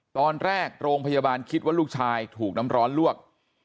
โรงพยาบาลคิดว่าลูกชายถูกน้ำร้อนลวก